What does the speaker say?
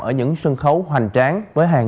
ở những sân khấu hoành tráng với hàng